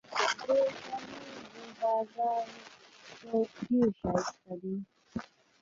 د شرنۍ د بازار چوک ډیر شایسته دي.